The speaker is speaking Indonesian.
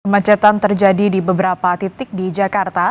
kemacetan terjadi di beberapa titik di jakarta